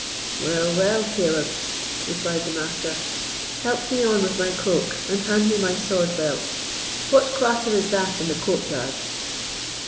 "Well, well, Caleb," replied the Master, "help me on with my cloak, and hand me my sword belt. What clatter is that in the courtyard?"